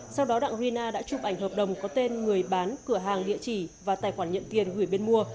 sau đó đặng rina đã chụp ảnh hợp đồng có tên người bán cửa hàng địa chỉ và tài khoản nhận tiền gửi bên mua